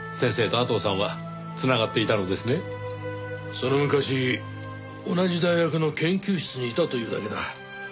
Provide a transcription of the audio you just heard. その昔同じ大学の研究室にいたというだけだ。